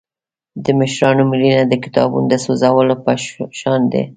د مشرانو مړینه د کتابتون د سوځولو په شان ده.